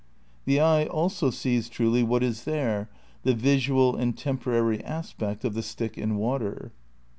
The eye also sees truly what is there — the visual and temporary aspect of the stick in water.